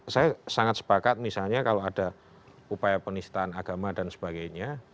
saya sangat sepakat misalnya kalau ada upaya penistaan agama dan sebagainya